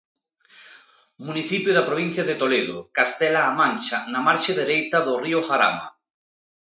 Municipio da provincia de Toledo, Castela-A Mancha, na marxe dereita do río Jarama.